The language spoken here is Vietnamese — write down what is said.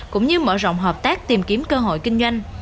cũng như mở rộng hợp tác tìm kiếm cơ hội kinh doanh